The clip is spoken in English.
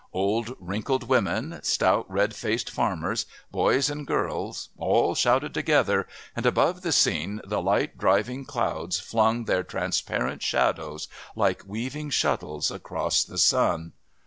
Old wrinkled women, stout red faced farmers, boys and girls all shouted together, and above the scene the light driving clouds flung their transparent shadows, like weaving shuttles across the sun.